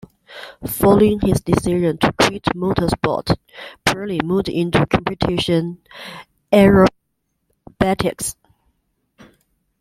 Following his decision to quit motorsport, Purley moved into competition aerobatics.